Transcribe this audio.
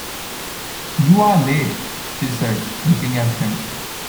“You are late!” she said, looking at him.